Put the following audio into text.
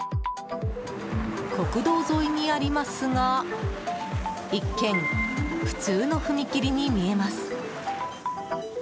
国道沿いにありますが一見、普通の踏切に見えます。